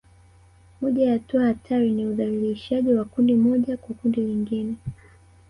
Moja ya hatua hatari ni udhalilishaji wa kundi moja kwa kundi lingine